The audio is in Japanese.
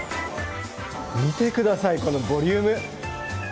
見てください、このボリューム。